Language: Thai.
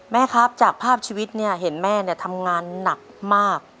แม่ครับจากภาพชีวิตเนี่ยเห็นแม่ทำงานหนักมาก